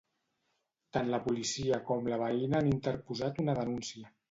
Tant la policia com la veïna han interposat una denúncia.